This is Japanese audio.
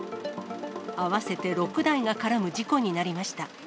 合わせて６台が絡む事故ありまし